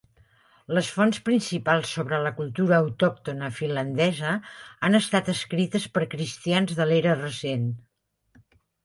Les fonts principals sobre la cultura autòctona finlandesa han estat escrites per cristians de l'era recent.